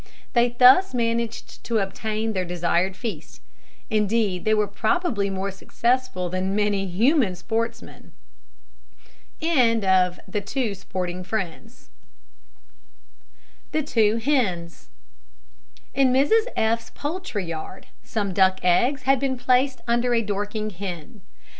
They thus managed to obtain their desired feast indeed, they were probably more successful than many human sportsmen. THE TWO HENS. In Mrs F 's poultry yard, some duck eggs had been placed under a Dorking hen.